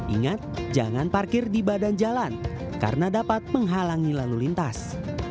ingat jangan parkir di badan jalan karena dapat menghalangi lalu lintas